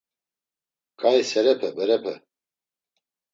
Ǩai serepe berepe.